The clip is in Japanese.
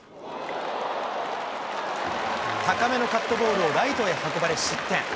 高めのカットボールをライトへ運ばれ失点。